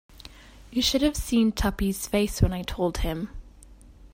You should have seen Tuppy's face when I told him.